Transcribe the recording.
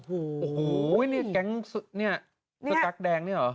โอ้โหนี่แก๊งสุดนี่สตรักแดงนี่หรอ